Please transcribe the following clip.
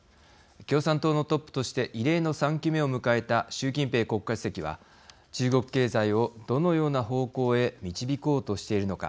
共産党のトップとして異例の３期目を迎えた習近平国家主席は、中国経済をどのような方向へ導こうとしているのか。